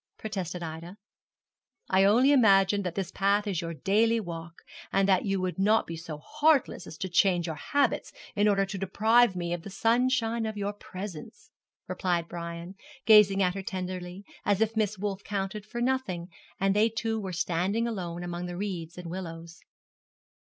protested Ida. 'I only imagine that this path is your daily walk, and that you would not be so heartless as to change your habits in order to deprive me of the sunshine of your presence,' replied Brian, gazing at her tenderly, as if Miss Wolf counted for nothing, and they two were standing alone among the reeds and willows.